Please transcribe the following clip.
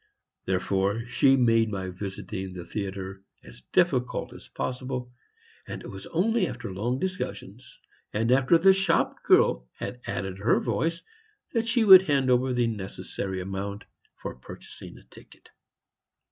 Therefore she made my visiting the theatre as difficult as possible, and it was only after long discussions, and after the shop girl had added her voice, that she would hand over the necessary amount for purchasing a ticket.